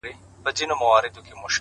تا هچيش ساتلې دې پر کور باڼه _